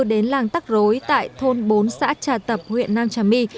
đến làng tắc rối tại thôn bốn xã trà tập huyện nam trà my